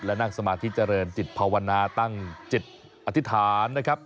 และนั่งสมาธิเจริญจิตภาวนาตั้งจิตอธิษฐานนะครับ